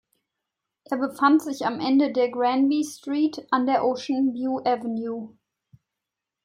Er befand sich am Ende der Granby Street an der Ocean View Avenue.